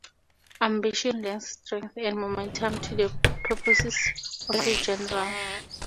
Ambition lends strength and momentum to the purposes of a general.